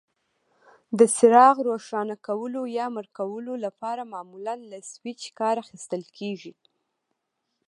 د څراغ روښانه کولو یا مړ کولو لپاره معمولا له سویچ کار اخیستل کېږي.